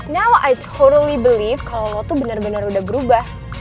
now i totally believe kalo lo tuh bener bener udah berubah